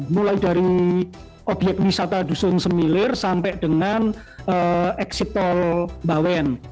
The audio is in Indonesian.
mulai dari obyek wisata dusun semilir sampai dengan exit tol bawen